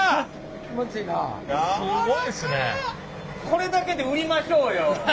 これだけで売りましょうよ。